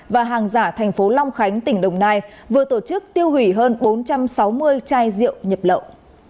và hàng giả thành phố long khánh tỉnh đồng nai vừa tổ chức tiêu hủy hơn bốn trăm sáu mươi chai rượu nhập lậu